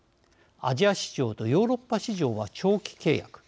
アジア市場とヨーロッパ市場は長期契約。